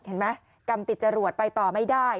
เห็นไหมกรรมติดจรวดไปต่อไม่ได้